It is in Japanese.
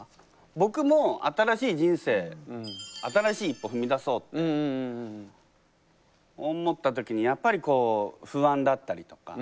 僕も新しい人生新しい一歩踏み出そうって思った時にやっぱりこう不安だったりとか。